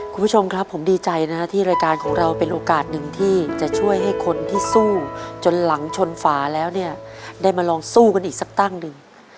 คุณผู้ชมครับผมดีใจนะฮะที่รายการของเราเป็นโอกาสหนึ่งที่จะช่วยให้คนที่สู้จนหลังชนฝาแล้วเนี่ยได้มาลองสู้กันอีกสักตั้งหนึ่ง